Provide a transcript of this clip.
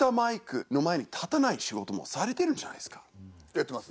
やってます。